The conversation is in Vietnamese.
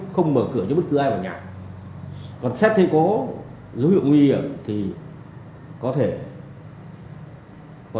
không một nào giống một nào